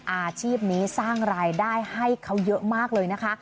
อาชีพนี้สร้างรายได้ให้เขาเยอะมากเลยนะคะ